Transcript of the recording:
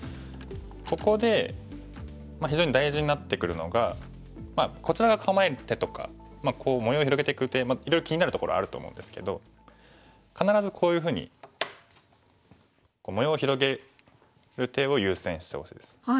ここで非常に大事になってくるのがこちら側構える手とかこう模様を広げていく手いろいろ気になるところあると思うんですけど必ずこういうふうに模様を広げる手を優先してほしいです。